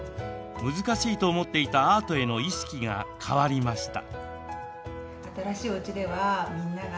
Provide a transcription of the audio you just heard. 難しいと思っていたアートへの意識が変わりました。